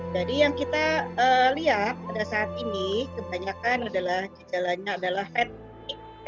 jadi yang kita lihat pada saat ini kebanyakan gejalanya adalah fatigue